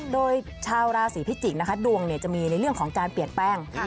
โดยชาวราศีพิจิกษ์นะคะดวงจะมีในเรื่องของการเปลี่ยนแปลง